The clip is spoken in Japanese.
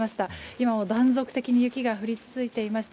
今も断続的に雪が降り続いていまして